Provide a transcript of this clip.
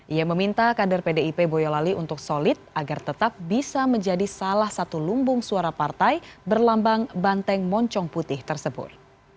ia meminta kader pdip boyolali untuk solid agar tetap bisa menjadi salah satu lumbung suara partai berlambang banteng moncong putih tersebut